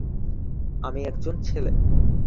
আমি একজন ছেলে।